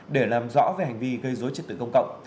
để làm rõ về hành vi gây dối trật tự công cộng